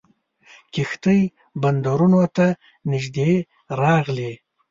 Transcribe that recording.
کښتۍ بندرونو ته نیژدې راغلې.